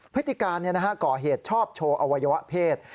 พฤติการก่อเหตุชอบโชว์อวัยวะเพศ